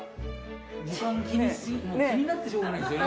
時間気になってしようがないんですよね。